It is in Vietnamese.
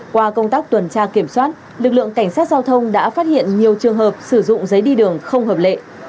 qua công tác tuần tra kiểm soát lực lượng cảnh sát giao thông đã phát hiện nhiều trường hợp sử dụng giấy đi đường không hợp lệ